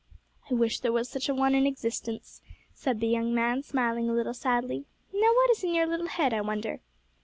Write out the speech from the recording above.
'I wish there was such a one in existence,' said the young man, smiling a little sadly. 'Now what is in your little head, I wonder?'